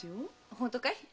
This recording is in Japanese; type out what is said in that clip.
本当かい？